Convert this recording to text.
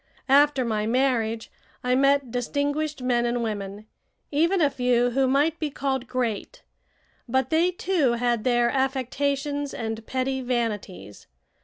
After my marriage I met distinguished men and women, even a few who might be called great; but they, too, had their affectations and petty vanities.